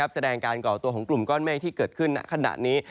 แสดงการก่อตัวของกลุ่มก้อนเมฆที่เกิดขึ้นณขณะนี้